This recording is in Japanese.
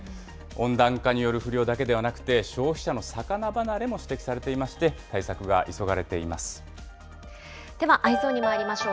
温暖化による不漁だけではなくて、消費者の魚離れも指摘されていまでは、Ｅｙｅｓｏｎにまいりましょう。